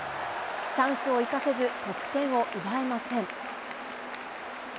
チャンスを生かせず、得点を奪えません。